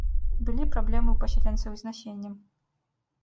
Былі праблемы ў пасяленцаў і з насеннем.